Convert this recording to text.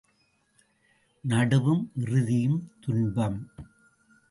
நடுவும் இறுதியும் துன்பம்.